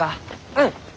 うん。